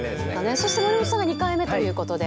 そして森本さんが２回目ということで。